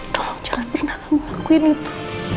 tolong jangan pernah kamu lakuin itu